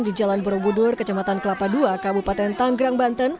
di jalan borobudur kecamatan kelapa ii kabupaten tanggerang banten